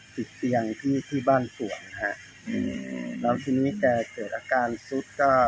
ติดเตียงที่ที่บ้านสวนฮะอืมแล้วทีนี้แกเกิดอาการซุดก็